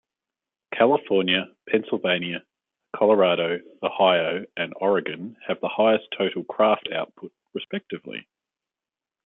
California, Pennsylvania, Colorado, Ohio and Oregon have the highest total craft output, respectively.